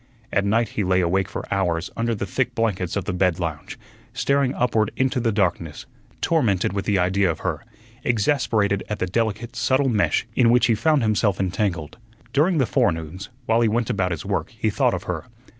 At night he lay awake for hours under the thick blankets of the bed lounge, staring upward into the darkness, tormented with the idea of her, exasperated at the delicate, subtle mesh in which he found himself entangled. During the forenoons, while he went about his work, he thought of her.